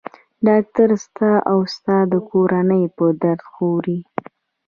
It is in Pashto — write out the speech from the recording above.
ډاکټر ستا او ستا د کورنۍ په درد خوري.